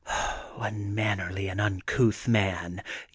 Unmannerly and uncouth man